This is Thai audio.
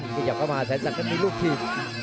เข้ามาแสนสักก็มีลูกผี